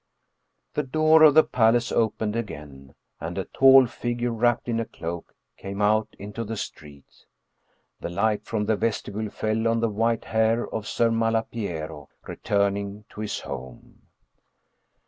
The door of the palace opened again, and a tall figure wrapped in a cloak came out into the street. The light from the vestibule fell on the white hair of Ser Malapiero returning to his home.